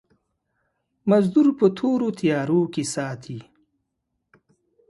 مزدور په تورو تيارو کې ساتي.